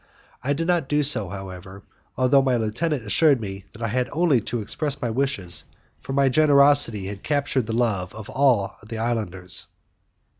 I did not do so, however, although my lieutenant assured me that I had only to express my wishes, for my generosity had captivated the love of all the islanders.